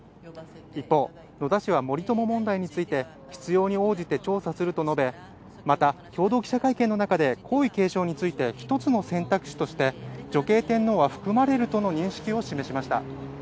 一方、野田氏は森友問題について再調査する必要があると述べ、共同記者会見の中で皇位継承策について一つの選択肢として女系天皇は含まれるとの認識を示しました。